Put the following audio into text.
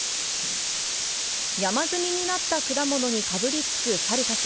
山積みになった果物にかぶりつくサルたち。